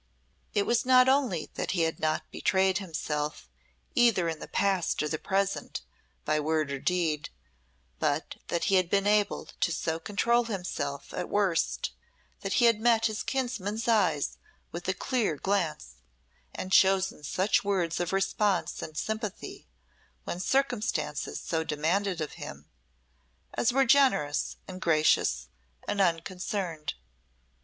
It was not only that he had not betrayed himself either in the past or present by word or deed, but that he had been able to so control himself at worst that he had met his kinsman's eye with a clear glance, and chosen such words of response and sympathy, when circumstances so demanded of him, as were generous and gracious and unconcerned.